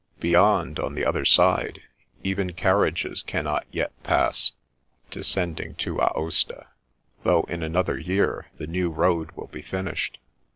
Beyond, on the other side, even carriages cannot yet pass, descending to Aosta, though in an other year the new road will be finished.